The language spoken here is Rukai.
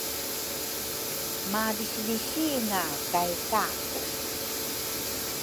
malisilisinga kay Kaku.